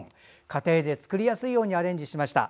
家庭で作りやすいようにアレンジしました。